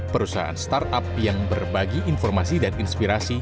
perusahaan startup yang berbagi informasi dan inspirasi